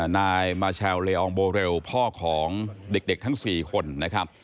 นายมาแชลเลอองโบเรลพ่อของเด็กทั้ง๔คนนะครับ